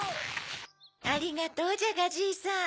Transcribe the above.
ありがとうジャガじいさん。